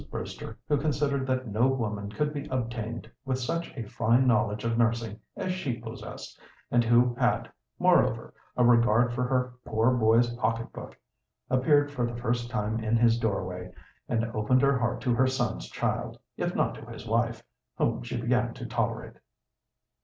Brewster, who considered that no woman could be obtained with such a fine knowledge of nursing as she possessed, and who had, moreover, a regard for her poor boy's pocket book, appeared for the first time in his doorway, and opened her heart to her son's child, if not to his wife, whom she began to tolerate.